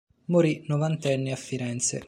Morì novantenne a Firenze.